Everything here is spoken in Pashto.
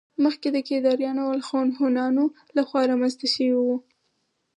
مخکې د کيداريانو او الخون هونانو له خوا رامنځته شوي وو